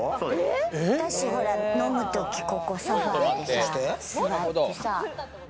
飲むとき、ここソファでさ、座ってさ。